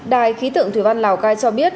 đài khí tượng thủy văn lào cai cho biết